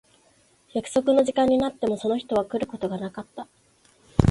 約束の時間になってもその人は来ることがなかった。